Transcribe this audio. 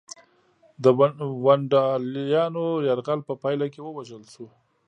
د ونډالیانو یرغل په پایله کې ووژل شو